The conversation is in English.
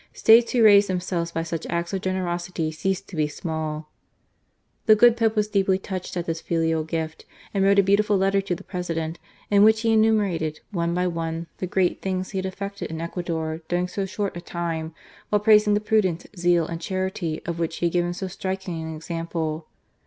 " States who raise themselves by such acts of generosity cease to be small !" The good Pope was deeply touched at this filial gift, and wrote a beautiful letter to the President, in which he enumerated, one by one, the great things he had effected in Ecuador during so short a time, while praising the prudence, zeal, and charity of which he had given so striking an example.